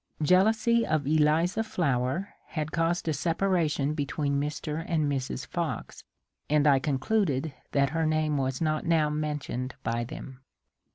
Jealousy of Eliza Flower had caused a separation between Mr. and Mrs. Fox, and I concluded that her name was not now mentioned by them.